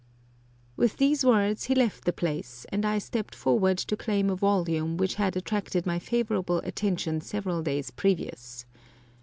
With these words he left the place, and I stepped forward to claim a volume which had attracted my favorable attention several days previous.